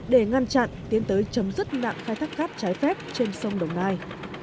để ngăn chặn tiến tới chấm dứt nạn khai thác cát trái phép trên sông đồng nai